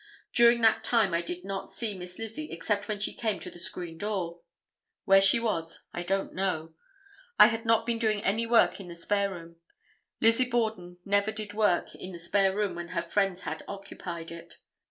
During that time I did not see Miss Lizzie except when she came to the screen door. Where she was I don't know. I had not been doing any work in the spare room; Lizzie Borden never did work in the spare room when her friends had occupied it.